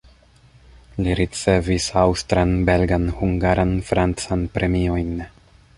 Li ricevis aŭstran, belgan, hungaran, francan premiojn.